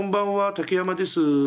竹山です。